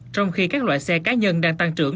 trong khi các loại xe cá nhân đang tăng trưởng